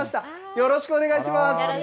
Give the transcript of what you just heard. よろしくお願いします。